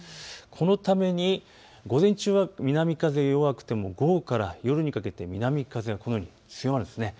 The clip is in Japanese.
このために午前中は南風が弱くても午後から夜にかけて南風がこのように強まるんです。